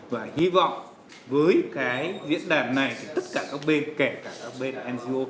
và hy vọng với cái diễn đạt này thì tất cả các bên kể cả các bên ngo